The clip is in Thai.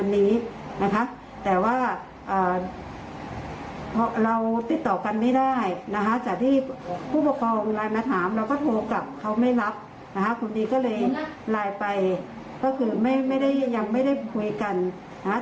ได้ไปก็คือยังไม่ได้คุยกันนะครับ